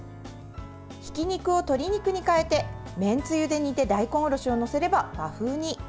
ひき肉を鶏肉に変えてめんつゆで煮て大根おろしを載せれば和風に。